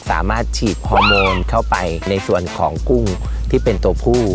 สามารถฉีดฮอร์โมนเข้าไปในส่วนของกุ้งที่เป็นตัวผู้